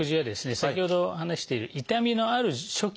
先ほど話している痛みのある初期